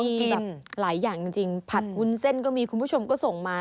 มีแบบหลายอย่างจริงผัดวุ้นเส้นก็มีคุณผู้ชมก็ส่งมา